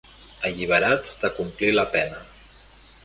Alliberats de complir la pena.